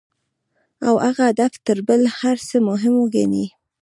او هغه هدف تر بل هر څه مهم وګڼي.